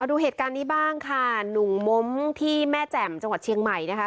ดูเหตุการณ์นี้บ้างค่ะหนุ่มม้มที่แม่แจ่มจังหวัดเชียงใหม่นะคะ